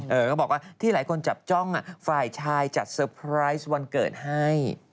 ก็บอกว่าที่หลายคนจับจ้องฝ่ายชายจัดเตอร์ไพรส์วันเกิดให้